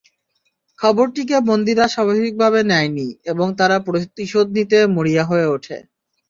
খবরটিকে বন্দীরা স্বাভাবিকভাবে নেয়নি এবং তারা প্রতিশোধ নিতে মরিয়া হয়ে ওঠে।